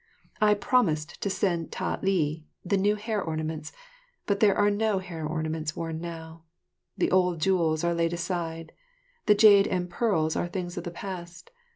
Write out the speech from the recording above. I promised to send Tah li the new hair ornaments, but there are no hair ornaments worn now. The old jewels are laid aside, the jade and pearls are things of the past.